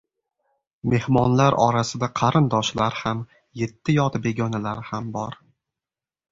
Mehmonlar orasida qarindoshlar ham yetti yot begonalar ham bor.